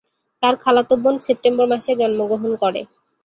তার খালাতো বোন সেপ্টেম্বর মাসে জন্মগ্রহণ করে।